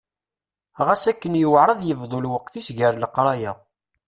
Ɣas akken yuɛer ad yebḍu lweqt-is gar leqraya.